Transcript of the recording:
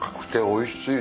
おいしい。